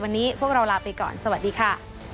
วันนี้พวกเราลาไปก่อนสวัสดีค่ะ